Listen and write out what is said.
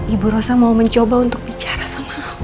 ibu rosa mau mencoba untuk bicara sama